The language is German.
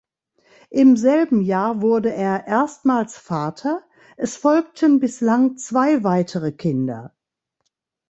Im selben Jahr wurde er erstmals Vater, es folgten bislang zwei weitere Kinder.